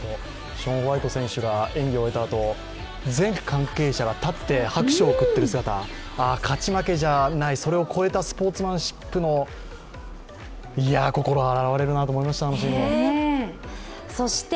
ショーン・ホワイト選手が演技を終えたあと、全関係者が立って拍手を送っている姿、勝ち負けじゃない、それを超えたスポーツマンシップの心洗われるなと思いました、あのシーンは。